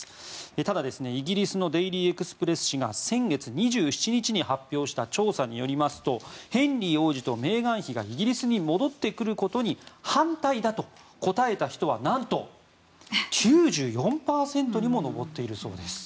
ただ、イギリスのデイリー・エクスプレス紙が先月２７日に発表した調査によりますとヘンリー王子とメーガン妃がイギリスに戻ってくることに反対だと答えた人はなんと９４％にも上っているそうです。